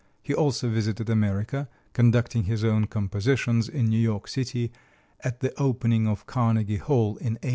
He also visited America, conducting his own compositions in New York City at the opening of Carnegie Hall in 1891.